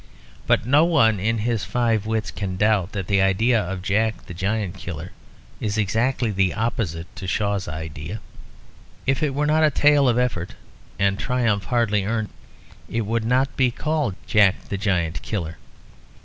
But no one in his five wits can doubt that the idea of "Jack the Giant Killer" is exactly the opposite to Shaw's idea. If it were not a tale of effort and triumph hardly earned it would not be called "Jack the Giant Killer."